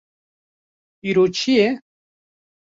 Îro çi ye?